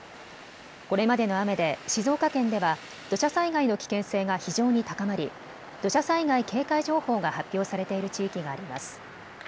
これまでの雨で静岡県では土砂災害の危険性が非常に高まり土砂災害警戒情報が発表されている地域があります。